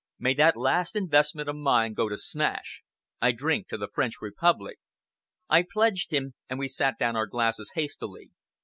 May that last investment of mine go to smash! I drink to the French Republic!" I pledged him and we set down our glasses hastily.